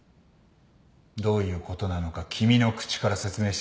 どういうことなのか君の口から説明してくれないか？